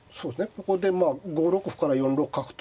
ここでまあ５六歩から４六角と。